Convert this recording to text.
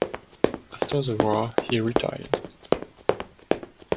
After the war he retired.